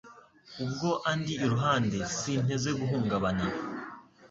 ubwo andi iruhande sinteze guhungabana